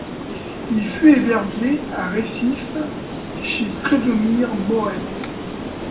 Il fut hébergé à Recife chez Clodomir Morais.